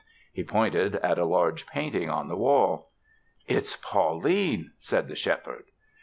He pointed at a large painting on the wall. "It's Pauline!" said the Shepherd.